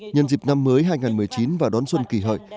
nhân dịp năm mới hai nghìn một mươi chín và đón xuân kỳ hợi